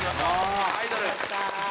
アイドル。